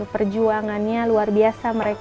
perjuangannya luar biasa mereka